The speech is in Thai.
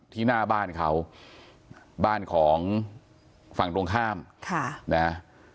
หน้าบ้านเขาบ้านของฝั่งตรงข้ามค่ะนะ